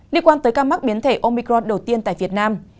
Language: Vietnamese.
liên quan tới ca mắc biến thể omicron đầu tiên tại việt nam